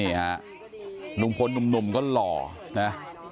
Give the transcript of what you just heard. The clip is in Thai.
นี่ฮะลุงพลหนุ่มก็หล่อนะ